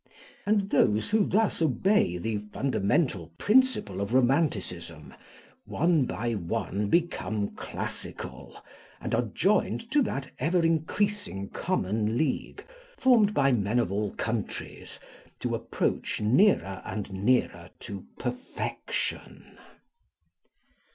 And those who thus obey the fundamental principle of romanticism, one by one become classical, and are joined to that ever increasing common league, formed by men of all countries, to approach nearer and nearer to perfection."